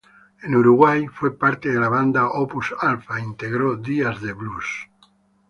En Uruguay, fue parte de la banda Opus Alfa e integró Días de Blues.